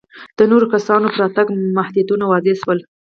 د نورو کسانو پر راتګ محدودیتونه وضع شول.